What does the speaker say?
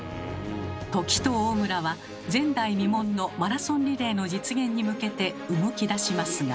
土岐と大村は前代未聞のマラソンリレーの実現に向けて動きだしますが。